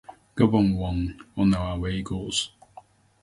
Gabon won on away goals.